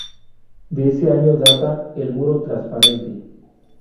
De ese año data "El muro transparente".